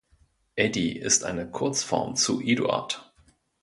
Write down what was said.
Eddi ist eine Kurzform zu Eduard.